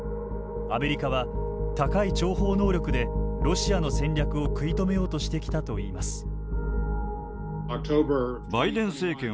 アメリカは高い諜報力でロシアの戦略を食い止めようとしてきたといいます。